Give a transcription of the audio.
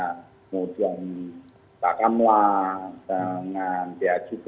kemudian pak kamla dengan ya juga